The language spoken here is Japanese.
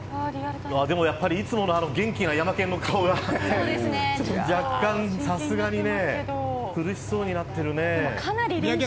でも、やっぱりいつもの元気なヤマケンの顔が若干、さすがにね苦しそうになっているね。